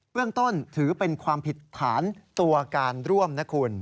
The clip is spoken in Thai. เรื่องต้นถือเป็นความผิดฐานตัวการร่วมนะคุณ